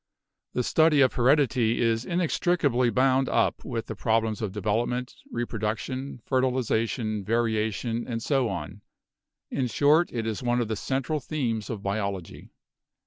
The study of heredity is inextricably bound up with the problems of development, reproduction, fertilization, variation and so on; in short, it is one of the central themes of Biology."